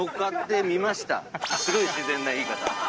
すごい自然な言い方。